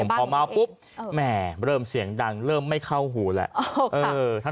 พอเมาปุ๊บแหมเริ่มเสียงดังเริ่มไม่เข้าหูแหละเออค่ะเออ